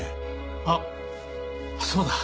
あっそうだ。